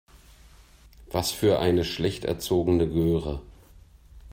Was für eine schlecht erzogene Göre.